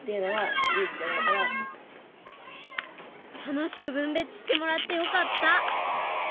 楽しく分別してもらってよかった！